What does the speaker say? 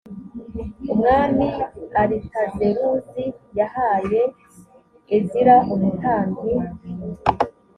umwami aritazeruzi yahaye ezira umutambyi